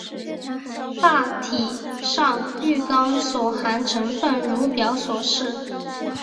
大体上玉钢所含成分如表所示。